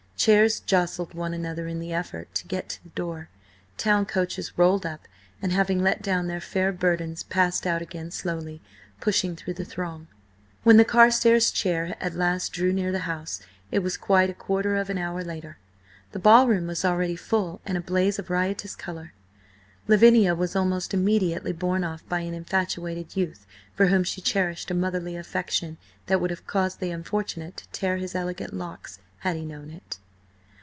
Chairs jostled one another in the effort to get to the door, town coaches rolled up, and having let down their fair burdens, passed out again slowly, pushing through the throng. When the Carstares' chair at last drew near the house, it was quite a quarter of an hour later. The ball room was already full and a blaze of riotous colour. Lavinia was almost immediately borne off by an infatuated youth for whom she cherished a motherly affection that would have caused the unfortunate to tear his elegant locks, had he known it.